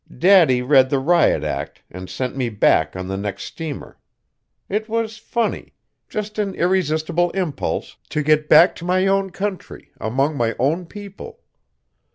Daddy read the riot act and sent me back on the next steamer. It was funny just an irresistible impulse to get back to my own country, among my own people.